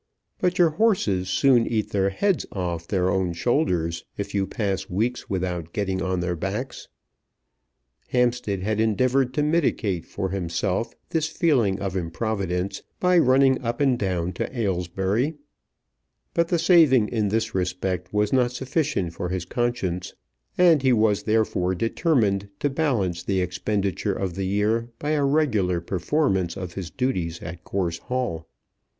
But your horses soon eat their heads off their own shoulders if you pass weeks without getting on their backs. Hampstead had endeavoured to mitigate for himself this feeling of improvidence by running up and down to Aylesbury; but the saving in this respect was not sufficient for his conscience, and he was therefore determined to balance the expenditure of the year by a regular performance of his duties at Gorse Hall.